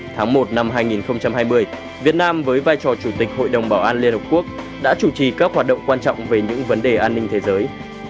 tháng một năm hai nghìn hai mươi việt nam với vai trò chủ tịch hội đồng bảo an liên hợp quốc đã chủ trì các hoạt động quan trọng về những vấn đề an ninh thế giới